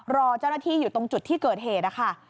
รอเจ้าหน้าที่อยู่ตรงจุดที่เกิดเหตุนะคะ